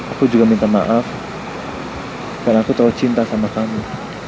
aku juga minta maaf karena aku terlalu cinta sama kami